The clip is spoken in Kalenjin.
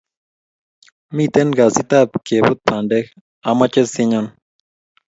Miten kasit ab keput bandek amache sinyon